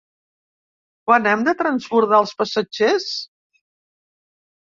Quan hem de transbordar els passatgers?